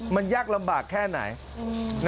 มันยากลำบากแค่ไหน